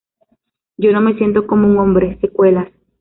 Yo no me siento como un hombre secuelas".